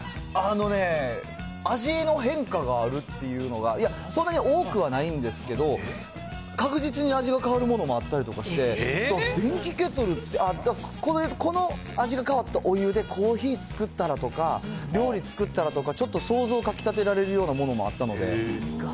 あのねぇ、味の変化があるっていうのが、いや、そんなに多くはないんですけど、確実に味が変わるものがあったりとかして、電気ケトルって、この味が変わったお湯でコーヒー作ったらとか、料理作ったらとか、ちょっと想像かきたてられるようなものもあっ意外。